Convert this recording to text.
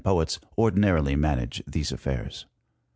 poets ordinarily manage these affairs.